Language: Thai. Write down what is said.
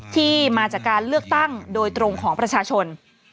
ที่มาจากการเลือกตั้งโดยตรงของประชาชน